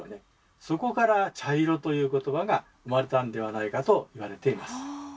そこから「茶色」という言葉が生まれたんではないかと言われています。